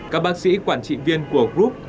các bác sĩ quản trị viên của group